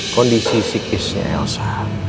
kondisi psikisnya elsa